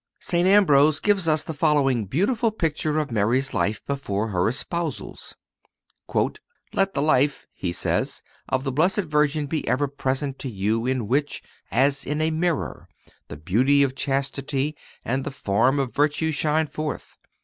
(270) St. Ambrose gives us the following beautiful picture of Mary's life before her espousals: "Let the life," he says, "of the Blessed Mary be ever present to you in which, as in a mirror, the beauty of chastity and the form of virtue shine forth.